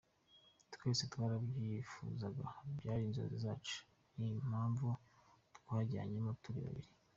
Twese twarabyifuzaga, byari inzozi zacu, ni yo mpamvu twajyanyemo turi babiri.